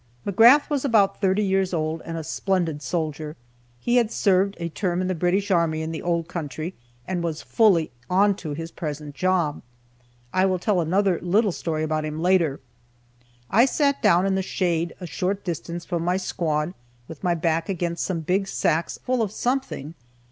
McGrath was about thirty years old, and a splendid soldier. He had served a term in the British army in the old country, and was fully onto his present job. (I will tell another little story about him later.) I sat down in the shade a short distance from my squad, with my back against some big sacks full of something.